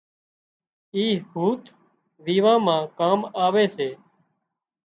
اِي هوٿ ويوان مان ڪام آوي سي